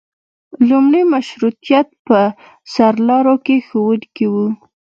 لومړي مشروطیت په سرلارو کې ښوونکي وو.